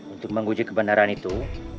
untuk menguji kebenaran itu